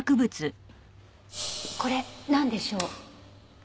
これなんでしょう？